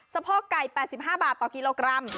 พ่อไก่๘๕บาทต่อกิโลกรัม